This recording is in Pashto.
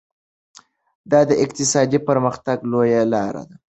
دا د اقتصادي پرمختګ لویه لار ده.